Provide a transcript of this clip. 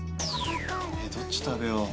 えっどっち食べよう。